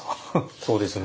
そうですね。